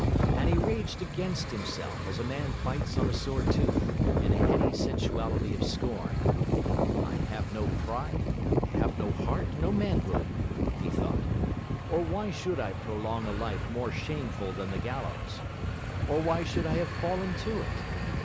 And he raged against himself, as a man bites on a sore tooth, in a heady sensuality of scorn. 'I have no pride, I have no heart, no manhood,' he thought, 'or why should I prolong a life more shameful than the gallows? Or why should I have fallen to it?